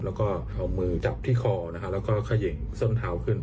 แล้วก็เอามือจับที่คอนะฮะแล้วก็เขย่งส้นเท้าขึ้น